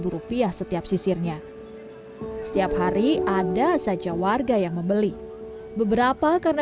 rupiah setiap sisirnya setiap hari ada saja warga yang membeli beberapa karena